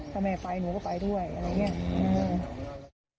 ถ้าแม่ไปหนูก็ไปด้วยอะไรอย่างนี้